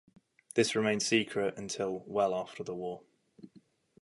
This remained secret until well after the war.